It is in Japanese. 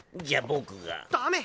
じゃあ僕が。